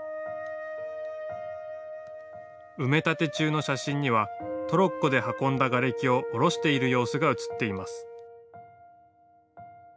埋め立て中の写真にはトロッコで運んだがれきを降ろしている様子が写っています。